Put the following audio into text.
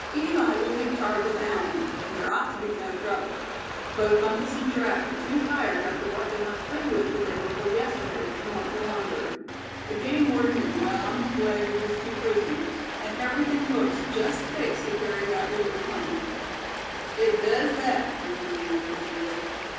Eli will take charge with Allan; and there ought to be no trouble. Both Bumpus and Giraffe are too tired after what they went through with the day before yesterday, to want to wander; the game warden is well on his way with his two prisoners; and everything looks just fixed to carry out your little plan." "It does thet," returned the other, eagerly.